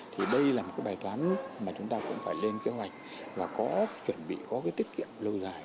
thì đây là một cái bài toán mà chúng ta cũng phải lên kế hoạch và có chuẩn bị có cái tiết kiệm lâu dài